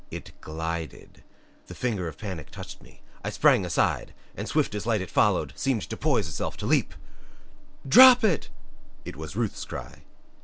It GLIDED. The finger of panic touched me. I sprang aside, and swift as light it followed, seemed to poise itself to leap. "Drop it!" It was Ruth's cry.